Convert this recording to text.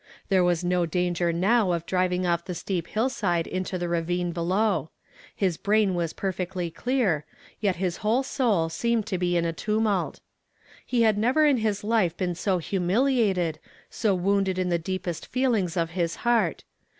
There was no danger now of driving off the steep hillside into the ravine below ; his brain was perfectly clear, yet his whole soul seemed to be in a tumult. He had never in his life been so humiliated, so wounded in the deepest feelings of his heart.